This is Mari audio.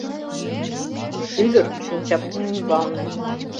Шӱдыр — шинчапун ӱмбалне.